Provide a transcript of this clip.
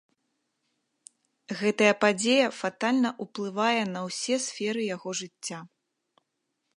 Гэтая падзея фатальна ўплывае на ўсе сферы яго жыцця.